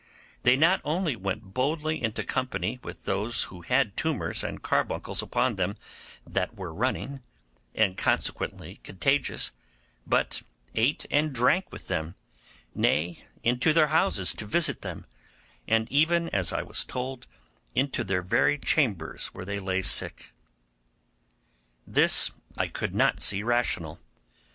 They not only went boldly into company with those who had tumours and carbuncles upon them that were running, and consequently contagious, but ate and drank with them, nay, into their houses to visit them, and even, as I was told, into their very chambers where they lay sick. This I could not see rational.